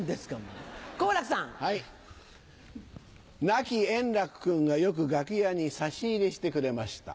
亡き円楽君がよく楽屋に差し入れしてくれました。